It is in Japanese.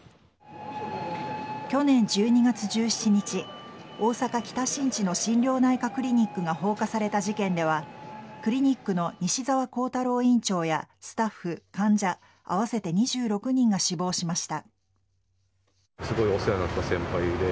去年１２月１７日大阪・北新地の心療内科クリニックが放火された事件ではクリニックの西澤弘太郎院長やスタッフ、患者合わせて２６人が死亡しました。